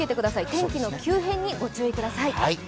天気の急変にご注意ください。